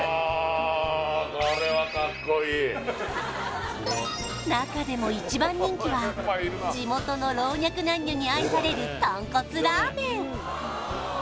はいいや中でも一番人気は地元の老若男女に愛される豚骨ラーメン